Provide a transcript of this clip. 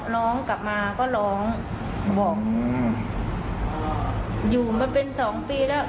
น้องกลับมาก็ร้องบอกอยู่มาเป็นสองปีแล้ว